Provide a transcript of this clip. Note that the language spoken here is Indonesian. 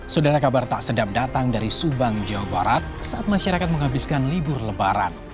saudara kabar tak sedap datang dari subang jawa barat saat masyarakat menghabiskan libur lebaran